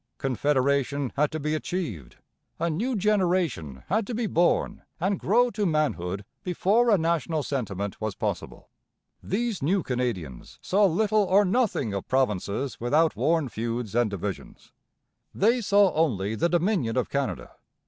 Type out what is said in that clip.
Confederation had to be achieved, a new generation had to be born and grow to manhood, before a national sentiment was possible. These new Canadians saw little or nothing of provinces with outworn feuds and divisions. They saw only the Dominion of Canada.